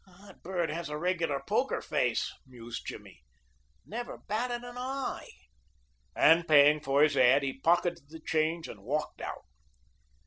"That bird has a regular poker face," mused Jimmy; "never batted an eye," and paying for his ad he pocketed the change and walked out.